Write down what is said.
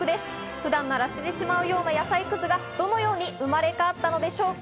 普段なら捨ててしまうような野菜くずがどのように生まれ変わったのでしょうか？